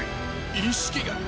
意識が。